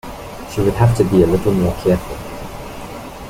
She would have to be a little more careful.